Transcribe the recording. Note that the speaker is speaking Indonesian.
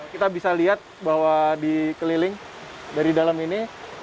kita bisa lihat bahwa dikeliling dari dalam ini